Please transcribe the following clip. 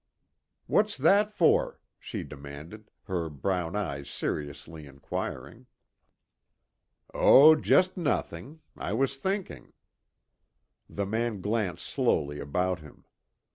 "What's that for?" she demanded, her brown eyes seriously inquiring. "Oh, just nothing. I was thinking." The man glanced slowly about him.